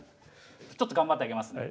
ちょっと頑張って上げますね。